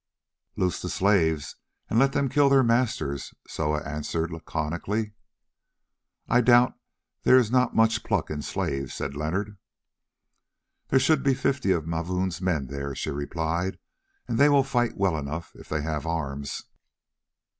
"Loose the slaves and let them kill their masters," Soa answered laconically. "I doubt there is not much pluck in slaves," said Leonard. "There should be fifty of Mavoom's men there," she replied, "and they will fight well enough if they have arms."